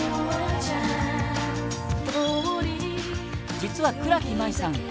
実は、倉木麻衣さん